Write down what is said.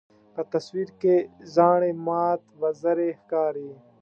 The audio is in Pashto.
په تصویر کې زاڼې مات وزرې ښکاري.